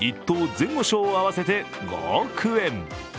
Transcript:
・前後賞を合わせて５億円。